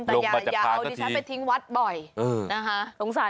แต่อย่าเอาดิฉันไปทิ้งวัดบ่อยนะคะสงสาร